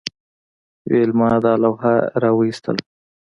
ویلما دا لوحه راویستله